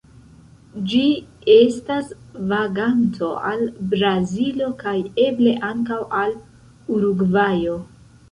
Ĝi estas vaganto al Brazilo kaj eble ankaŭ al Urugvajo.